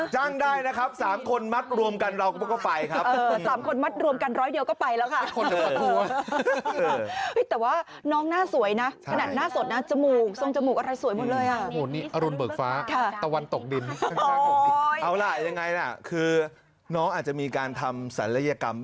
จ้างนะงานรับรีวิวอะไรแบบนี้นะครับ